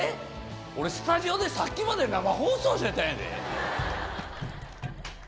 俺、スタジオでさっきまで生放送してたんやで。